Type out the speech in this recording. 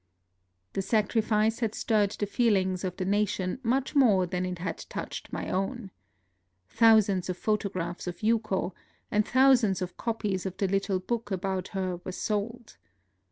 The sacrifice had stirred the feelings of the nation much more than it had touched my own. Thousands of photographs of Yuko and thousands of copies of the little book about her were sold.